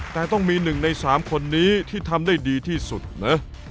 แต่ต้องมี๑ใน๓คนนี้ที่ทำได้ดีที่สุดนะ